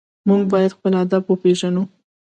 موږ باید خپل ادب وپېژنو.